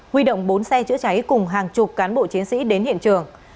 huy động bốn xe chữa cháy cùng hàng chục cán bộ chiến sĩ đến hiện trường